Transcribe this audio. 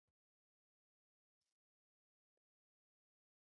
غول د خوړو له کیفیت اغېزمن کېږي.